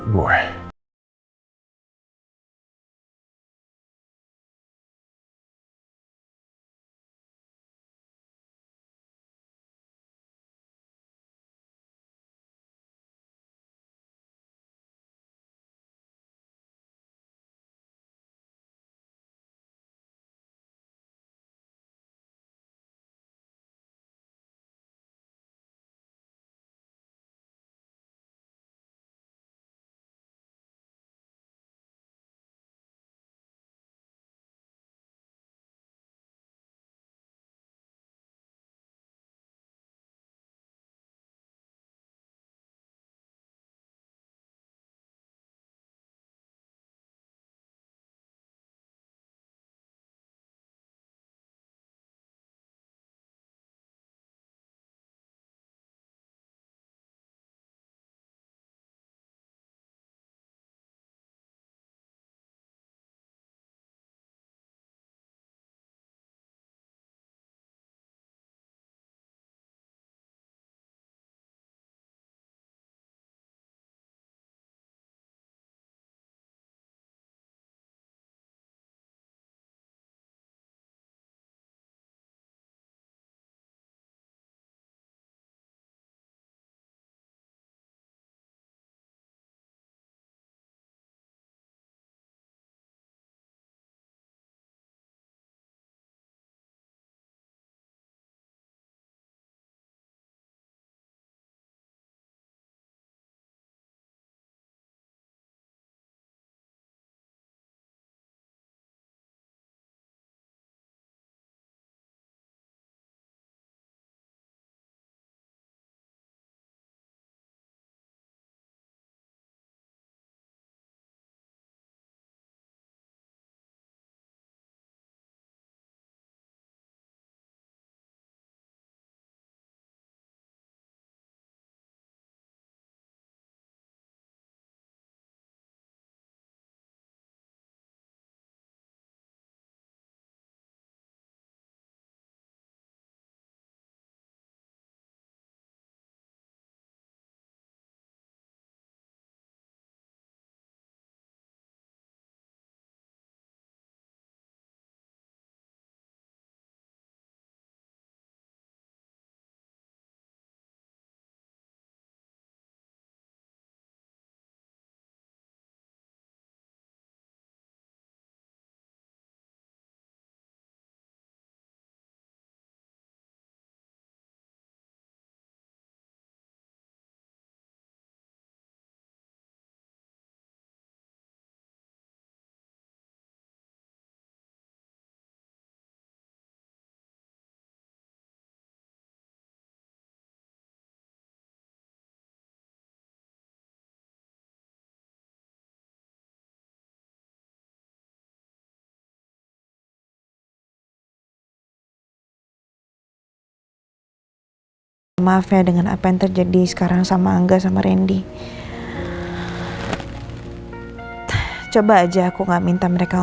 gimana tapi tierra juga bisa jauh jauh ya